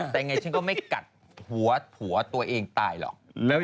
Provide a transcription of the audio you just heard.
ผมจะไม่กัดหัวตัวเองตายหรอก